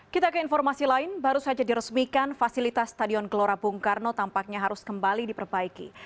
kita ke informasi lain baru saja diresmikan fasilitas stadion gelora bung karno tampaknya harus kembali diperbaiki